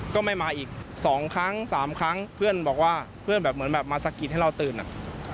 ก็ไม่มาอีกสองครั้งสามครั้งเพื่อนบอกว่าเพื่อนแบบเหมือนแบบมาสะกิดให้เราตื่นอ่ะ